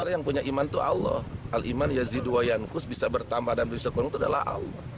yang punya iman itu allah al iman yazidwayankus bisa bertambah dan bisa kurang itu adalah allah